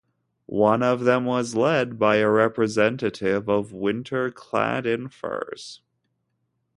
One of them was led by a representative of Winter clad in furs.